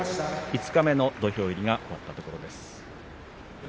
五日目の土俵入りが終わったところです。